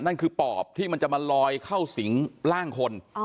นั่นคือปอบที่มันจะมาลอยเข้าสิงร่างคน